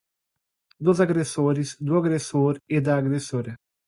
dos agressores, do agressor e da agressora